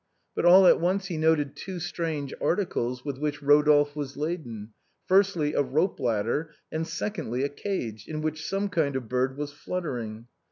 But all at once he noted two strange articles with which Eodolphe was laden — firstly, a rope ladder, and secondly, a cage, in which some kind of bird was fluttering.